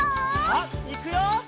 さあいくよ！